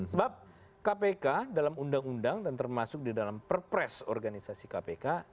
sebab kpk dalam undang undang dan termasuk di dalam perpres organisasi kpk